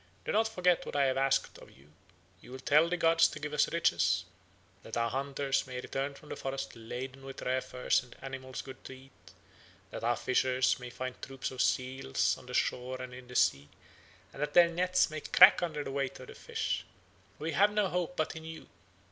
Do not forget what I have asked of you. You will tell the gods to give us riches, that our hunters may return from the forest laden with rare furs and animals good to eat; that our fishers may find troops of seals on the shore and in the sea, and that their nets may crack under the weight of the fish. We have no hope but in you.